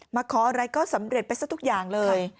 ขออะไรก็สำเร็จไปซะทุกอย่างเลย